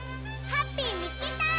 ハッピーみつけた！